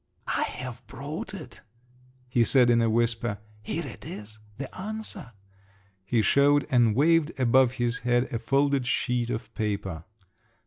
"I have brought it," he said in a whisper: "here it is—the answer!" He showed and waved above his head a folded sheet of paper.